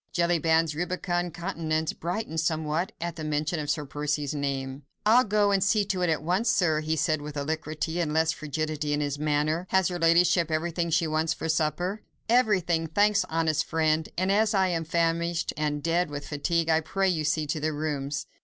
Jellyband's rubicund countenance brightened somewhat, at mention of Sir Percy's name. "I'll go and see to it at once, sir," he said with alacrity, and with less frigidity in his manner. "Has her ladyship everything she wants for supper?" "Everything, thanks, honest friend, and as I am famished and dead with fatigue, I pray you see to the rooms."